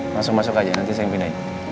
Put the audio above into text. langsung masuk aja nanti saya pindahin